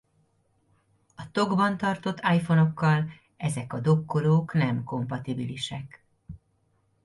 A tokban tartott iPhone-okkal ezek a dokkolók nem kompatibilisek.